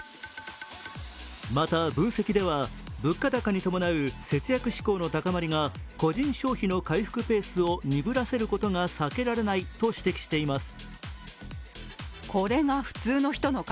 また分析では物価高に伴う節約志向の高まりが個人消費の回復ペースを鈍らせることが避けられないと指摘しています。